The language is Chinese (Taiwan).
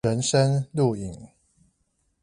人生路引